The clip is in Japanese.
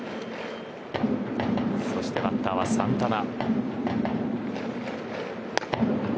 そしてバッターはサンタナ。